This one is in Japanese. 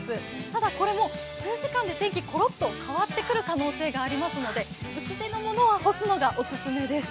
ただ、これも数時間で天気、ころっと変わってくる可能性ありますので薄手のものは干すのがオススメです。